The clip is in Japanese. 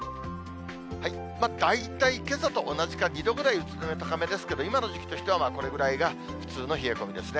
大体けさと同じか、２度ぐらい、宇都宮高めですけど、今の時期としてはこれぐらいが普通の冷え込みですね。